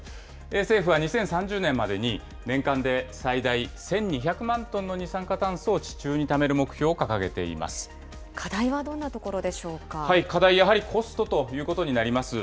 政府は２０３０年までに年間で最大１２００万トンの二酸化炭素を課題はどんなところでしょう課題、やはりコストということになります。